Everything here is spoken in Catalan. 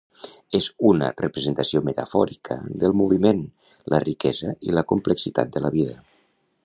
És una representació metafòrica del moviment, la riquesa i la complexitat de la vida.